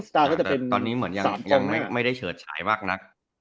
ตอนนี้เหมือนยังไม่ได้เชิดฉายมากนะ